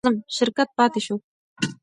شرکت پاتې شو.